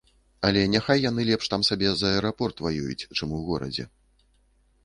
Але няхай яны лепш там сабе за аэрапорт ваююць, чым у горадзе.